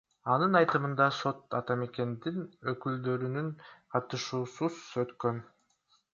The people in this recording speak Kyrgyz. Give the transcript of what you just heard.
Анын айтымында, сот Ата Мекендин өкүлдөрүнүн катышуусусуз өткөн.